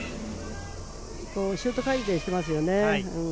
シュート回転していますよね。